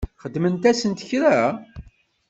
Xedment-asent kra?